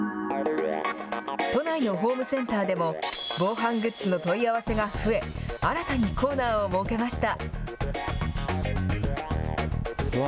都内のホームセンターでも、防犯グッズの問い合わせが増え、新たにコーナーを設けました。